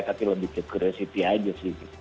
tapi lebih ke curiosity aja sih